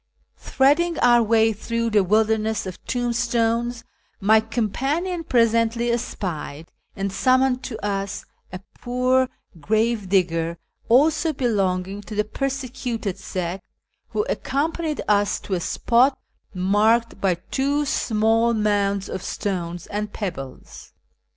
Threading our way through the wilderness of tombstones, my companion presently espied, and summoned to us, a poor grave digger, also belonging to the persecuted sect, who accompanied us to a spot marked by two small mounds of stones and pebbles.